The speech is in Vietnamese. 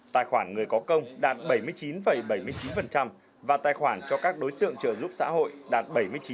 tài khoản người có công đạt bảy mươi chín bảy mươi chín và tài khoản cho các đối tượng trợ giúp xã hội đạt bảy mươi chín